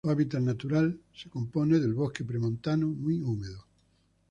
Su hábitat natural se compone de bosque premontano muy húmedo.